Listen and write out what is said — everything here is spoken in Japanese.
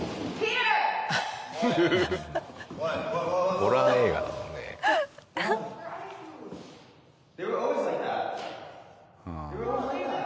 ホラー映画だろうね。